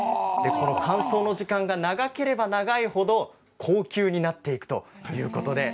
この乾燥の時間が長ければ長いほど高級になっていくということです。